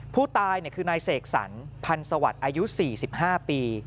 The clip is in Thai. ผู้ตายคือนายเสกสรรพันธ์สวัสดิ์อายุ๔๕ปี